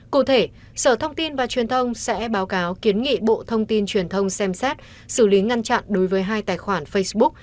cụ thể sở thông tin và truyền thông sẽ báo cáo kiến nghị bộ thông tin truyền thông xem xét xử lý ngăn chặn đối với hai tài khoản facebook